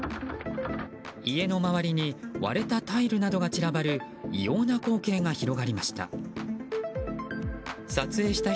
家の周りに割れたタイルなどが散らばる異様な光景が広がりました。